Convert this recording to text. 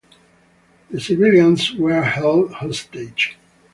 The civilians were held hostage.